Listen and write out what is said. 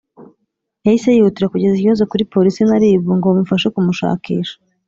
yahise yihutira kugeza ikibazo kuri polisi na rib ngo bamufashe kumushakisha